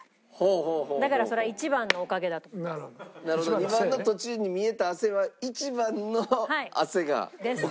２番の途中に見えた汗は１番の汗が遅れてきたと。